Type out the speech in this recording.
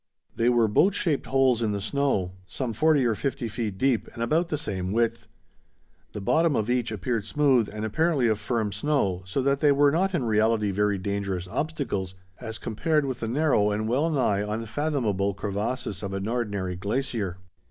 They were boat shaped holes in the snow some forty or fifty feet deep and about the same width. The bottom of each appeared smooth and apparently of firm snow, so that they were not in reality very dangerous obstacles, as compared with the narrow and wellnigh unfathomable crevasses of an ordinary glacier.